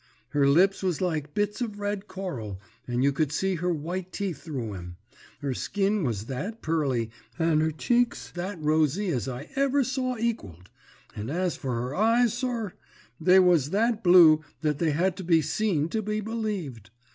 Her lips was like bits of red coral, and you could see her white teeth through 'em; her skin was that pearly and her cheeks that rosy as I never saw equalled; and as for her eyes, sir, they was that blue that they had to be seen to be believed.